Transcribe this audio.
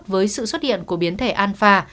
với sự xuất hiện của biến thể alpha